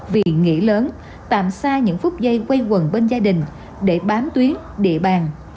vì nghỉ lớn tạm xa những phút giây quay quần bên gia đình để bám tuyến địa bàn